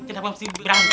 kenapa mesti berantem